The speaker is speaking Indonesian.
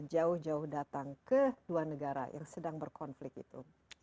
jauh jauh datang ke dua negara yang sedang berkonflik itu